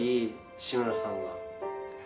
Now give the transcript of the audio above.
志村さんが。